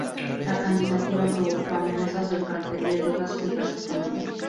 La candidatura provocó amenazas del cartel de drogas contra su familia.